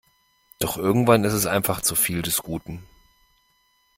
Doch irgendwann ist es einfach zu viel des Guten.